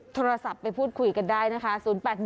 โทรศัพท์ไปพูดคุยกันได้นะคะ